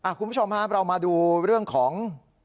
คุณผู้ชมครับเรามาดูเรื่องของ